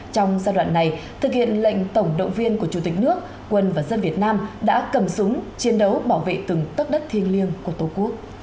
trong giai đoạn này thực hiện lệnh tổng động viên của chủ tịch nước quân và dân việt nam đã cầm súng chiến đấu bảo vệ từng tất đất thiêng liêng của tổ quốc